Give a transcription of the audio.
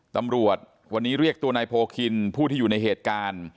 ตำรวจวันนี้เรียกตัวนายโพคินผู้ที่อยู่ในเหตุการณ์